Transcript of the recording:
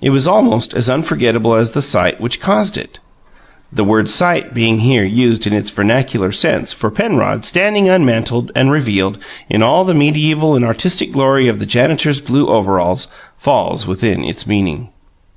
It was almost as unforgettable as the sight which caused it; the word "sight" being here used in its vernacular sense, for Penrod, standing unmantled and revealed in all the medieval and artistic glory of the janitor's blue overalls, falls within its meaning.